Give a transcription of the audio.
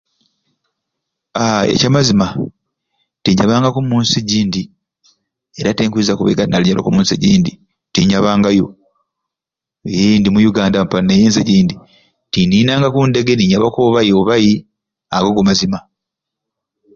Aaa ekyamazima tinyabangaku mu nsi gindi era tinkwiza kubeyeda nti naabireku omu nsi egindi tinyabangayo ee ndi mu Yuganda mpani naye ensi egindi tininangaku ndege ninyabaku ob'ai ob'ai